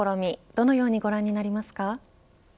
どのようにご覧になりますか。